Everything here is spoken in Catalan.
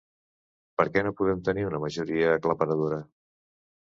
Per què no podem tenir una majoria aclaparadora?